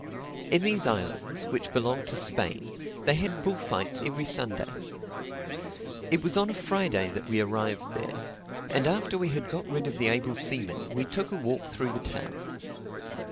In these islands, which belonged to Spain, they had bullfights every Sunday. It was on a Friday that we arrived there; and after we had got rid of the able seaman we took a walk through the town.